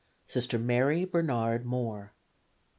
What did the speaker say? Sister Mary Bernard Moore.